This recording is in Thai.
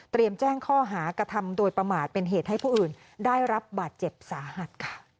เตรียมแจ้งข้อหากธรรมโดยประมาทเป็นเหตุให้ผู้อื่นได้รับบาดเจ็บสาหัส